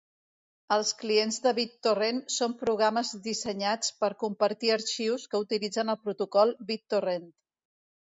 Els clients de BitTorrent són programes dissenyats per compartir arxius que utilitzen el protocol BitTorrent.